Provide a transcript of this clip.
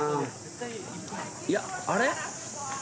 いやあれ？